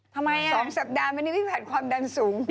ทำไมอ่ะ๒สัปดาห์เมื่อนี้ไม่ผ่านความดันสูง